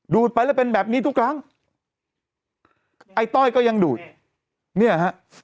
ไปแล้วเป็นแบบนี้ทุกครั้งไอ้ต้อยก็ยังดูดเนี่ยฮะ